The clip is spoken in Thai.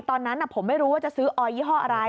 ตอนนั้นผมไม่รู้ว่าจะซื้อออยยี่ห้ออะไร